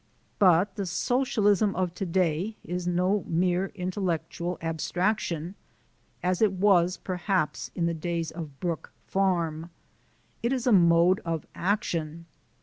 But the Socialism of to day is no mere abstraction as it was, perhaps, in the days of Brook Farm. It is a mode of action.